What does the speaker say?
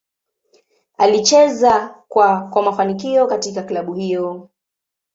Alicheza kwa kwa mafanikio katika klabu hiyo.